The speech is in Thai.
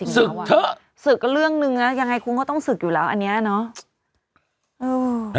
ศึกอ่ะเถอะศึกก็เรื่องนึงนะยังไงคุณก็ต้องศึกอยู่แล้วอันนี้เนาะ